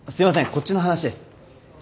こっちの話です。